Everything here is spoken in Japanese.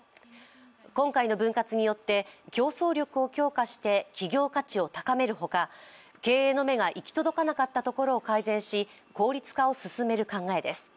今回の分割によって競争力を強化して企業価値を高めるほか、経営の目が行き届かなかったところを改善し効率化を進める考えです。